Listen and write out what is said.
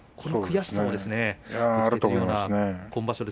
その悔しさがあると思います。